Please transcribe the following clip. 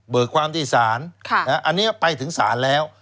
เบิกความที่สารอันนี้ไปถึงสารแล้ว